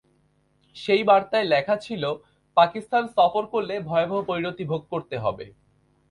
সেই বার্তায় লেখা ছিল, পাকিস্তান সফর করলে ভয়াবহ পরিণতি ভোগ করতে হবে।